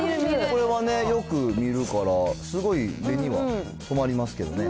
これはよく見るから、すごい目には留まりますけどね。